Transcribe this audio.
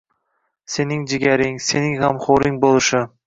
sening jigaring, sening g‘amxo‘ring bo‘lishi